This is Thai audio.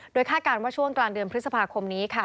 โดยคาดการณ์ว่าช่วงกลางเดือนพฤษภาคมนี้ค่ะ